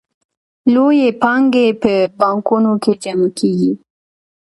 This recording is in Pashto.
لویې پانګې په بانکونو کې جمع کېږي